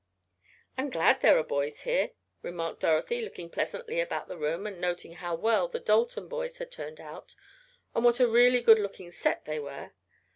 "I am glad there are boys here," remarked Dorothy, looking pleasantly about the room and noting how well the Dalton boys had turned out, and what a really good looking set they were.